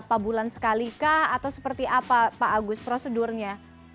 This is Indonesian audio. berapa bulan sekali kah atau seperti apa pak agus prosedurnya